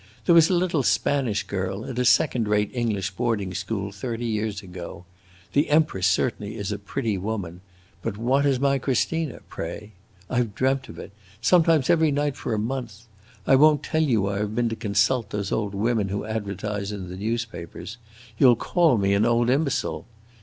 There was a little Spanish girl at a second rate English boarding school thirty years ago!... The Empress certainly is a pretty woman; but what is my Christina, pray? I 've dreamt of it, sometimes every night for a month. I won't tell you I have been to consult those old women who advertise in the newspapers; you 'll call me an old imbecile.